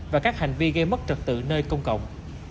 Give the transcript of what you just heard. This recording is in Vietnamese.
và các hành vi gây mất trật tự nơi công cộng